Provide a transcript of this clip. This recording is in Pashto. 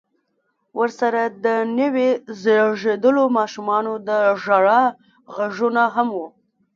ورسره د نويو زيږېدليو ماشومانو د ژړا غږونه هم و.